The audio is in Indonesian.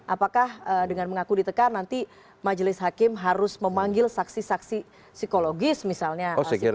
apakah dengan mengaku ditekan nanti majelis hakim harus memanggil saksi saksi psikologis misalnya